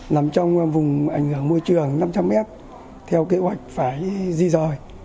nằm trong vùng ảnh hưởng môi trường năm trăm linh m theo kế hoạch phải di dòi